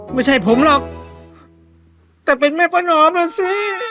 ไม่ใช่ผมหรอกแต่เป็นแม่ประนอมแล้วสิ